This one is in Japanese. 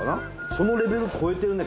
そのレベル超えてるね